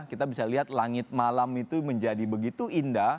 kita bisa lihat langit malam itu menjadi begitu indah